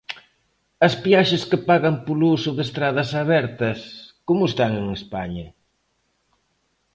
¿As peaxes que pagan polo uso de estradas abertas, como están en España?